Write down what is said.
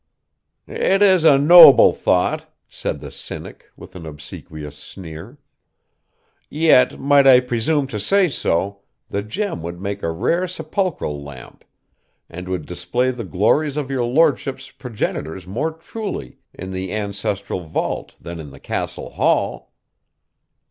'It is a noble thought,' said the Cynic, with an obsequious sneer. 'Yet, might I presume to say so, the gem would make a rare sepulchral lamp, and would display the glories of your lordship's progenitors more truly in the ancestral vault than in the castle hall.